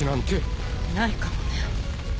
ないかもね。